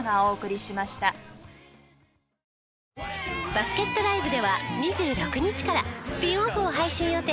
バスケットＬＩＶＥでは２６日からスピンオフを配信予定。